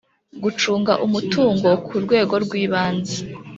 gucunga umutungo ku rwego rwa ibanze